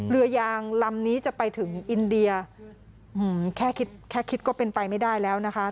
เรือยางลำนี้จะไปถึงอินเดียแค่คิดแค่คิดก็เป็นไปไม่ได้แล้วนะคะ